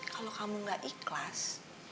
kalau kamu gak ikhlas